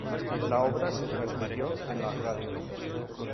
La obra se transmitió en la radio.